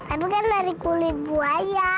itu kan dari kulit buaya